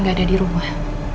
gak ada di rumah